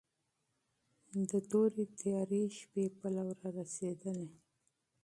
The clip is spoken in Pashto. د تاريكي شپې پلو را رسېدلى